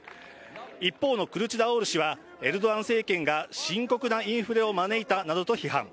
一方のクルチダルオール氏はエルドアン政権が深刻なインフレを招いたなどと批判。